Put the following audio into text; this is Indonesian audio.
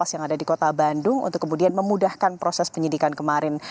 yang ada di kota bandung untuk kemudian memudahkan proses penyidikan kemarin